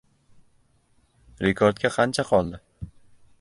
«Rekord»ga qancha qoldi?